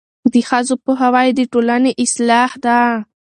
د ښځو پوهاوی د ټولنې اصلاح ده.